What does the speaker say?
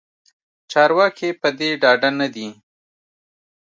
چارواکې پدې ډاډه ندي